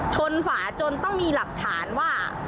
ฝาจนต้องมีหลักฐานว่า